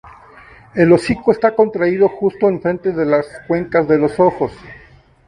El hocico está contraído justo en frente de las cuencas de los ojos.